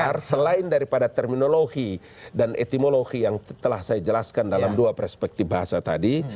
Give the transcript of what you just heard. karena tapi karena terdekat terminologi dan etimologi yang telah saya jelaskan dalam dua perspektif bahasa tadi